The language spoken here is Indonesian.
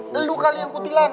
lo dulu kali yang kutilan